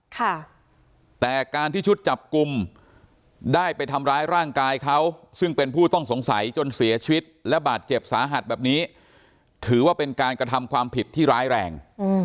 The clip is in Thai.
ค่ะแต่การที่ชุดจับกลุ่มได้ไปทำร้ายร่างกายเขาซึ่งเป็นผู้ต้องสงสัยจนเสียชีวิตและบาดเจ็บสาหัสแบบนี้ถือว่าเป็นการกระทำความผิดที่ร้ายแรง